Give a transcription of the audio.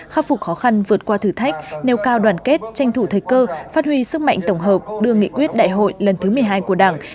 khắc phục khó khăn vượt qua thử thách nêu cao đoàn kết tranh thủ thời cơ phát huy sức mạnh tổng hợp đưa nghị quyết đại hội lần thứ một mươi hai của đảng